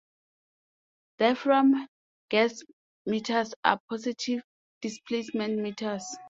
Diaphragm gas meters are positive displacement meters.